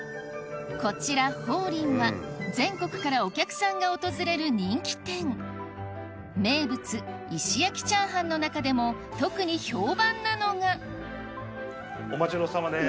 こちら鳳林は全国からお客さんが訪れる人気店名物石焼きチャーハンの中でも特に評判なのがお待ちどおさまです。